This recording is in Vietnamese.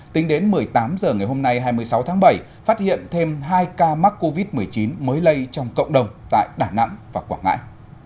tính đến một mươi tám h ngày hôm nay hai mươi sáu tháng bảy phát hiện thêm hai ca mắc covid một mươi chín mới lây trong cộng đồng tại đà nẵng và quảng ngãi